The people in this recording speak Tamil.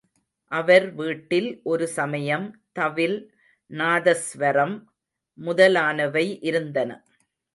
அவர் வீட்டில் ஒரு சமயம் தவில் நாதஸ்வரம் முதலானவை இருந்தன.